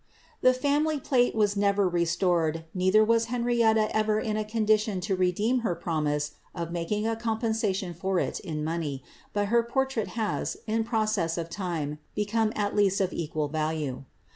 *he fimnily plate was never restored, neither was Henrietta ever in a dition to redeem her promise of making a compensation for it in money, her portrait has, in process of time, become at least of equal value.